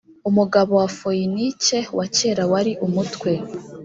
umugabo wa foyinike wa kera wari umutwe